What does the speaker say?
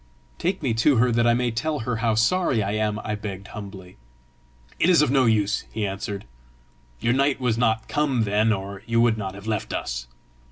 "Take me to her that I may tell her how sorry I am," I begged humbly. "It is of no use," he answered. "Your night was not come then, or you would not have left us.